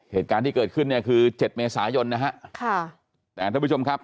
เหตุการณ์ที่เกิดขึ้นเนี่ยคือเจ็ดเมษายนนะฮะค่ะแต่ท่านผู้ชมครับ